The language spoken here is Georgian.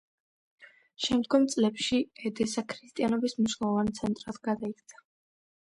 შემდგომ წლებშ ედესა ქრისტიანობის მნიშვნელოვან ცენტრად გადაიქცა.